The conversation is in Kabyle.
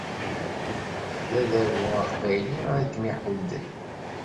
D adabu aqbayli ara kem-iḥudden.